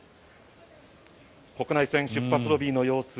国内線出発ロビーの様子